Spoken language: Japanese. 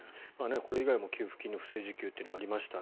これ以外も給付金の不正受給というのがありました。